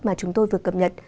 mà chúng tôi vừa cập nhật